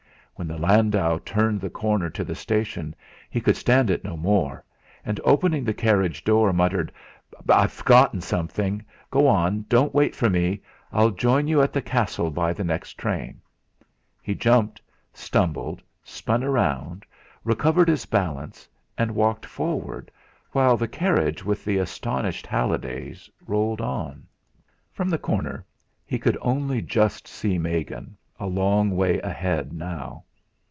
When the landau turned the corner to the station he could stand it no more, and opening the carriage door, muttered: "I've forgotten something! Go on don't wait for me! I'll join you at the castle by the next train!" He jumped, stumbled, spun round, recovered his balance, and walked forward, while the carriage with the astonished Hallidays rolled on. From the corner he could only just see Megan, a long way ahead now.